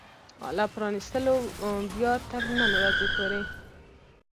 له پرانيستلو بيا تر نن ورځې پورې